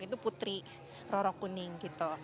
itu putri roro kuning gitu